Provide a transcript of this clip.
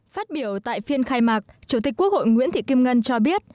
phát biểu tại phiên khai mạc chủ tịch quốc hội nguyễn thị kim ngân cho biết